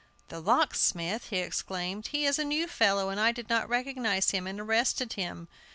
"The locksmith!" he exclaimed; "he is a new fellow, and I did not recognize him, and arrested him!